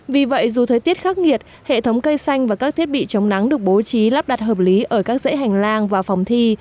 vì vậy dù thời tiết khắc nghiệt hệ thống cây xanh và các thiết bị chống nắng được bố trí lắp đặt hợp lý ở các dãy hành lang và phòng thi